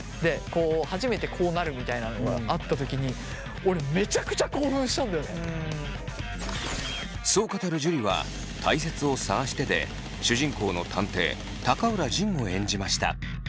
初めてこうなるみたいなのがあった時にそう語る樹は「たいせつを探して」で主人公の探偵高浦仁を演じました。